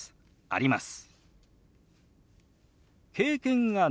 あります。